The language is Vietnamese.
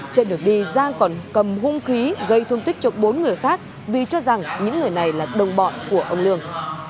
trên đường đi giang còn cầm hung khí gây thương tích cho bốn người khác vì cho rằng những người này là đồng bọn của ông lương